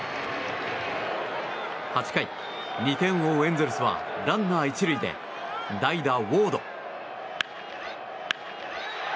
８回、２点を追うエンゼルスはランナー１塁で代打ウォード。